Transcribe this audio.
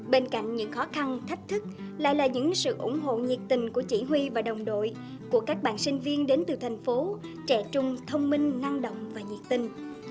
bên cạnh những khó khăn thách thức lại là những sự ủng hộ nhiệt tình của chỉ huy và đồng đội của các bạn sinh viên đến từ thành phố trẻ trung thông minh năng động và nhiệt tình